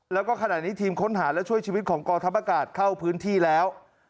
แล้วก็ขณะนี้ทีมค้นหาและช่วยชีวิตของกองทัพอากาศเข้าพื้นที่แล้ว